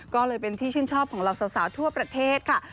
ก็เลยเป็นที่ชื่นชอบของเหล่าสาวทั่วประเทศค่ะ